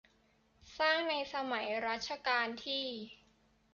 สร้างในสมัยรัชกาลที่